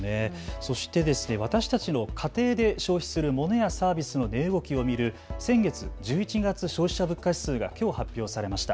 そして私たちの家庭で消費するモノやサービスの値動きを見る先月・１１月消費者物価指数がきょう発表されました。